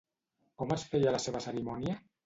Com es feia la seva cerimònia?